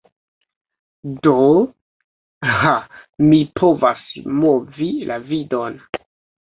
Do... ha mi povas movi la vidon.